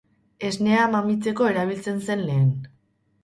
Esnea mamitzeko erabiltzen zen lehen.